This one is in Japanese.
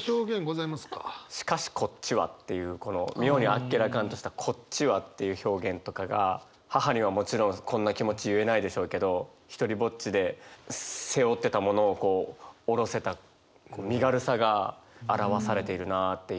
「然しこっちは」っていうこの妙にあっけらかんとした「こっちは」っていう表現とかが母にはもちろんこんな気持ち言えないでしょうけど独りぼっちで背負ってたものを下ろせた身軽さが表されているなっていう。